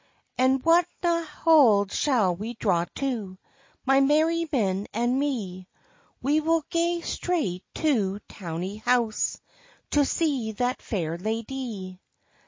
"And whatna hald shall we draw to, My merry men and me? We will gae straight to Towie house, To see that fair ladye."